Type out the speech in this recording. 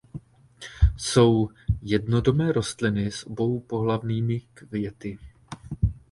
Jsou jednodomé rostliny s oboupohlavnými květy.